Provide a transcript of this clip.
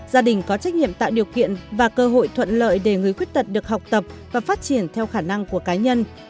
gia đình có trách nhiệm tạo điều kiện và cơ hội thuận lợi để người khuyết tật được học tập và phát triển theo khả năng của cá nhân